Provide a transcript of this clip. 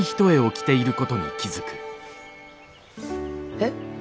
えっ？